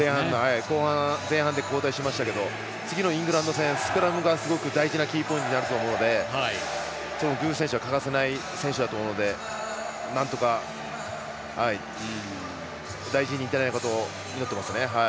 前半で交代しましたけど次のイングランド戦スクラムがすごく大事なキーポイントになると思うので具選手は欠かせない選手だと思うのでなんとか大事に至らないことを祈っていますね。